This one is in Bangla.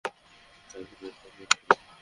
সাবধান থেকো, গোলাম।